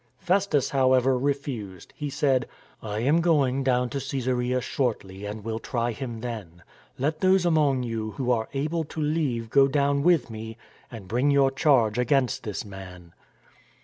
Festus, however, refused. He said: *' I am going down to Caesarea shortly and will try him then. Let those among you who are able to leave go down with me and bring your charge against this man."